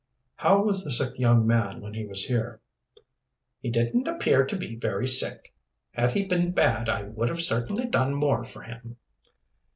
"How was the sick young man when he was here?" "He didn't appear to be very sick. Had he been bad I would have certainly done more for him."